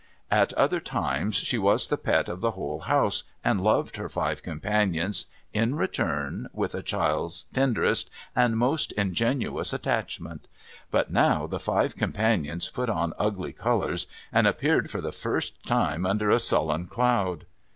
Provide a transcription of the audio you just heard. At all other times she was the pet of the whole house, and loved her five companions in return with a child's tenderest and most ingenuous attachment ; but now, the five companions put on ugly colours, and appeared for the first time under a sullen cloud.